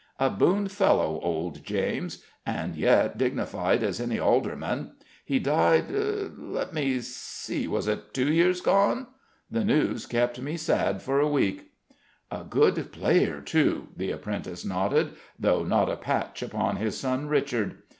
A boon fellow, old James! and yet dignified as any alderman. He died let me see was it two year agone? The news kept me sad for a week." "A good player, too," the apprentice nodded, "though not a patch upon his son Richard.